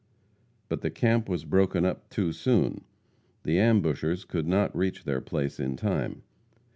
But the camp was broken up too soon. The ambushers could not reach their place in time.